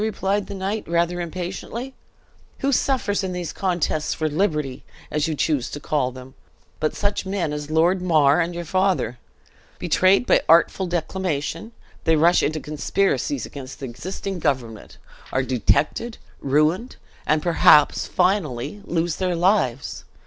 replied the knight, rather impatiently. "Who suffers in these contests for liberty, as you choose to call them, but such men as Lord Mar and your father? Betrayed by artful declamation, they rush into conspiracies against the existing government, are detected, ruined, and perhaps finally lose their lives!